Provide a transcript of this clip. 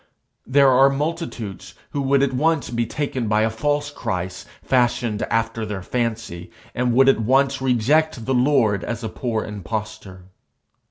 There are multitudes who would at once be taken by a false Christ fashioned after their fancy, and would at once reject the Lord as a poor impostor.